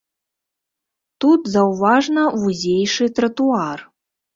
Тут заўважна вузейшы тратуар.